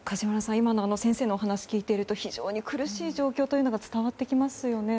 今の先生のお話を聞いていると非常に苦しい状況が伝わってきますよね。